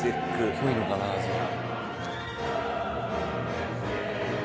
濃いのかな味が。